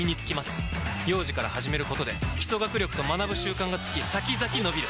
幼児から始めることで基礎学力と学ぶ習慣がつき先々のびる！